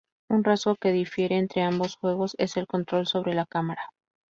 Un rasgo que difiere entre ambos juegos es el control sobre la cámara.